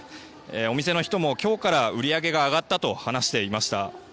お店の人も今日から売り上げが上がったと話していました。